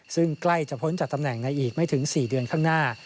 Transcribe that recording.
ซึ่งใกล้จะพ้นจากตำแหน่งในอีกไม่ถึง๔เดือนข้างหน้า